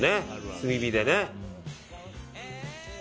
炭火でね。